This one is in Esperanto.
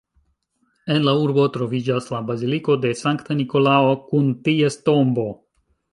En la urbo troviĝas la baziliko de Sankta Nikolao kun ties tombo.